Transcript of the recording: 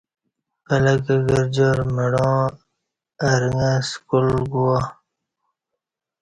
پلہ گرجار مڑاں ارݣہ سکول گو وا